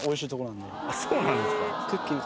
そうなんですか？